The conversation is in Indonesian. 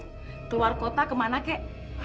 keluar kota kemana kek